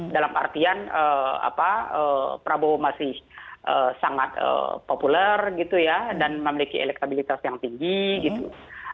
dalam artian prabowo masih sangat populer gitu ya dan memiliki elektabilitas yang tinggi gitu